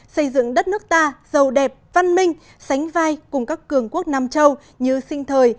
xây dựng đất nước ta giàu đẹp văn minh sánh vai cùng các cường quốc nam châu như sinh thời